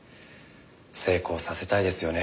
成功させたいですよね。